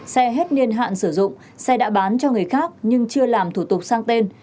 xe hết niên hạn sử dụng xe đã bán cho người khác nhưng chưa làm thủ tục sang tên